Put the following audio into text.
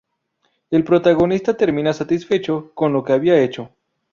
El protagonista termina satisfecho con lo que había hecho.